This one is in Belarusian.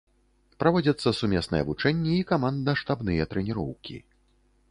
Праводзяцца сумесныя вучэнні і камандна-штабныя трэніроўкі.